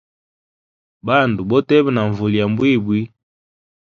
Bandu boteba na nvula ya mbwimbwi.